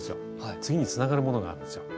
次につながるものがあるんですよ。